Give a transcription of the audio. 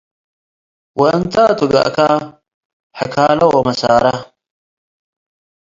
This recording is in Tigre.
ወእንታቱ ገአከ - ሐክለ ወመሳራ፣